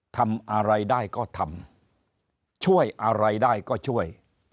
ทำอะไรได้ก็ทำช่วยอะไรได้ก็ช่วย